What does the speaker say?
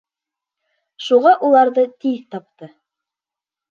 Шуға уларҙы тиҙ тапты.